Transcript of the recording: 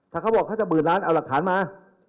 ถ้าเขาบอกเขาจะหมื่นล้านเอาหลักฐานมา